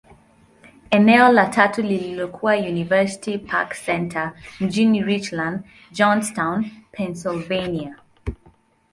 Eneo la tatu lililokuwa University Park Centre, mjini Richland, Johnstown, Pennyslvania.